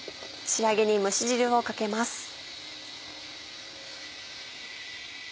仕上げに蒸し汁をかけます。